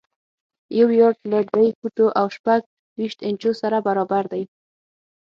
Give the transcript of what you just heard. یو یارډ له درې فوټو او شپږ ویشت انچو سره برابر دی.